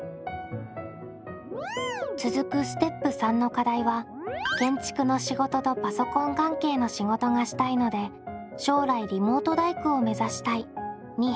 続くステップ③の課題は「建築の仕事とパソコン関係の仕事がしたいので将来リモート大工を目指したい」に変更。